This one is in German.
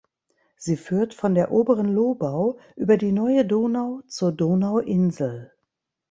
Sie führt von der oberen Lobau über die Neue Donau zur Donauinsel.